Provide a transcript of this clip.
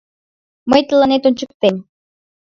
Мый тыланет ончыктем!